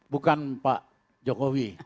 bukan pak jokowi